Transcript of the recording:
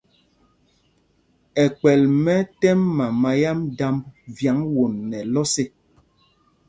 Ɛkpɛl mɛ tɛ́m mama yám dámb vyǎŋ won nɛ lɔs ê.